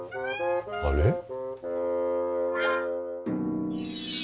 あれ？